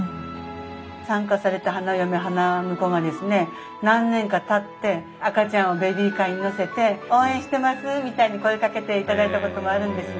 参加された花嫁花婿がですね何年かたって赤ちゃんをベビーカーに乗せて「応援してます」みたいに声かけていただいたこともあるんですね。